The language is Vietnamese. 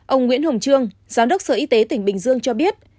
ông nguyễn hồng trương giám đốc sở y tế tỉnh bình dương cho biết